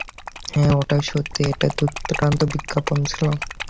হ্যাঁ, ওটা সত্যিই একটা দুর্দান্ত বিজ্ঞাপন ছিলো।